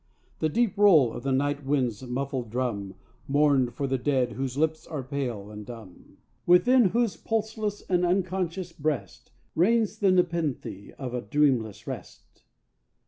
â The deep roll of the night windâs muffled drum Mourned for the dead whose lips are pale and dumb Within whose pulseless and unconscious breast Reigns the nepenthe of a dreamless rest.